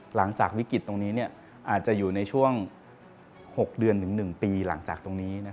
หลังจากวิกฤตตรงนี้อาจจะอยู่ในช่วง๖เดือนถึง๑ปีหลังจากตรงนี้